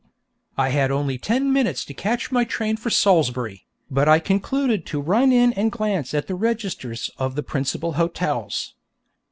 I had only ten minutes to catch my train for Salisbury, but I concluded to run in and glance at the registers of the principal hotels.